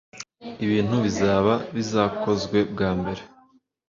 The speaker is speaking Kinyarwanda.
ibintu bizaba bizakozwe bwa mbere